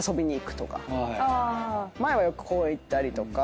前はよく公園行ったりとか。